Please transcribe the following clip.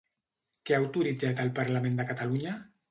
Què ha autoritzat el Parlament de Catalunya?